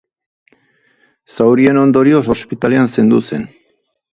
Zaurien ondorioz, ospitalean zendu zen.